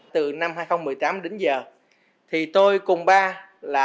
từ năm hai nghìn một mươi tám đến giờ thì tôi cùng ba là